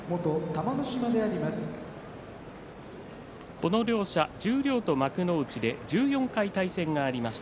この両者、十両と幕内で１４回対戦がありました。